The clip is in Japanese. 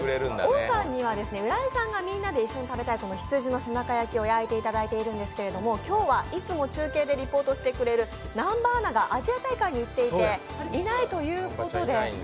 王さんには浦井さんがみんなで一緒に食べたい羊の背中焼きを焼いてもらっているんですけれども今日はいつも中継でリポートしてくれる南波アナがアジア大会に行っていていないということで。